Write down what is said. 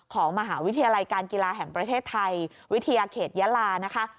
ของมหาวิทยาลัยการกีฬาแห่งประเทศไทยวิทยาเขตยาลานะคะ